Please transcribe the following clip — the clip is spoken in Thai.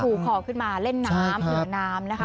ขอขึ้นมาเล่นน้ำเหนือน้ำนะคะ